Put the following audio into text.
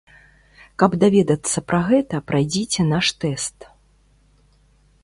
Каб даведацца пра гэта, прайдзіце наш тэст.